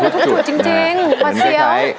ทุกจุดจริงแม่เซี๊ยว